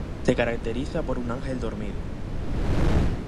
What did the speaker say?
Se caracteriza por un ángel dormido.